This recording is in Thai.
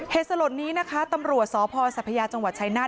สลดนี้นะคะตำรวจสพสัพยาจังหวัดชายนาฏ